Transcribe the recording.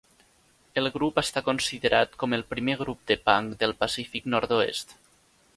El grup està considerat com el primer grup de punk del Pacífic nord-oest.